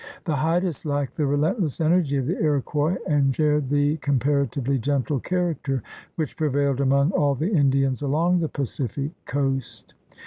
The Haidas lacked the relentless energy of the Iroquois and shared the compara tively gentle character which prevailed among all the Indians along the Pacific Coast.